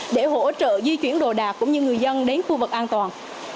để hỗ trợ di chuyển đồ đạc cũng như người dân đến khu vực an toàn